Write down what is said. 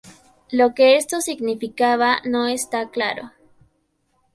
Lo que esto significaba no está claro.